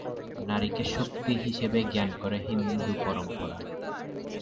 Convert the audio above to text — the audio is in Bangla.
নারীকে ‘শক্তি’ হিসেবেই জ্ঞান করে হিন্দু পরম্পরা।